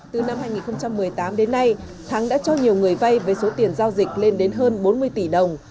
từ năm hai nghìn một mươi tám đến nay thắng đã cho nhiều người vay với số tiền giao dịch lên đến hơn bốn mươi tỷ đồng